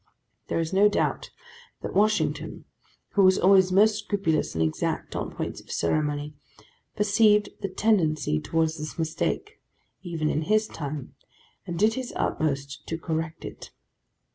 There is no doubt that Washington, who was always most scrupulous and exact on points of ceremony, perceived the tendency towards this mistake, even in his time, and did his utmost to correct it.